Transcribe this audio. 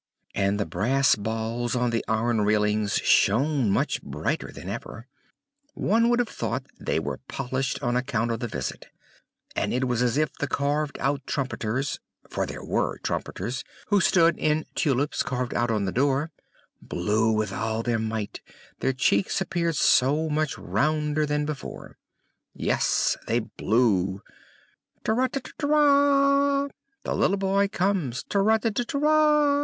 And the brass balls on the iron railings shone much brighter than ever; one would have thought they were polished on account of the visit; and it was as if the carved out trumpeters for there were trumpeters, who stood in tulips, carved out on the door blew with all their might, their cheeks appeared so much rounder than before. Yes, they blew "Trateratra! The little boy comes! Trateratra!"